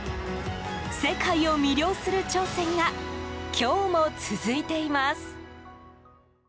世界を魅了する挑戦が今日も続いています。